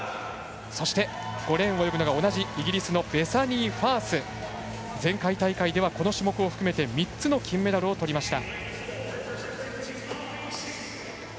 そして５レーンを泳ぐのが同じイギリスのベサニー・ファース前回大会ではこの種目を含めて３つの金メダルを取りました。